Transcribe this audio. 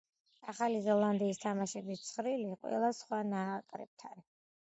ახალი ზელანდიის თამაშების ცხრილი, ყველა სხვა ნაკრებთან.